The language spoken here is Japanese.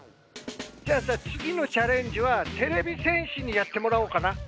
じゃあさつぎのチャレンジはてれび戦士にやってもらおうかな。